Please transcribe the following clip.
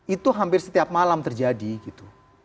itu hampir setiap malam terjadi gitu